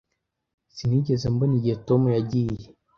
Sinigeze mbona igihe Tom yagiye.